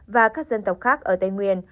và các dân tộc khác ở tây nguyên